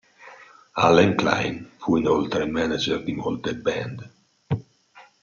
Allen Klein fu inoltre il manager di molte band.